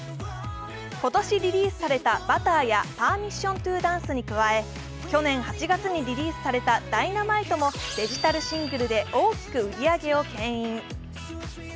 今年リリースされた「Ｂｕｔｔｅｒ」や「ＰｅｒｍｉｓｓｉｏｎｔｏＤａｎｃｅ」に加え去年８月にリリースされた「Ｄｙｎａｍｉｔｅ」もデジタルシングルで大きく売り上げをけん引。